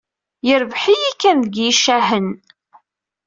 Yerbeḥ-iyi Ken deg yicahen.